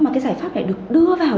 mà cái giải pháp này được đưa vào